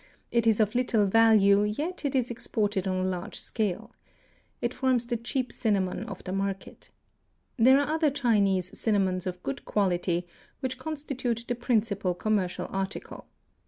It is of little value yet it is exported on a large scale. It forms the cheap cinnamon of the market. There are other Chinese cinnamons of good quality which constitute the principal commercial article.